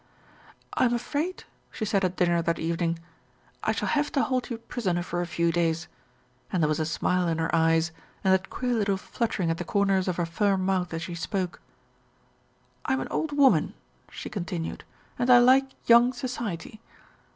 "I'm afraid," she said at dinner that evening, "I LITTLE BILSTEAD GOES TO CHURCH 175 shall have to hold you prisoner for a few days," and there was a smile in her eyes and that queer little flut tering at the corners of her firm mouth as she spoke. "I'm an old woman," she continued, "and I like young society."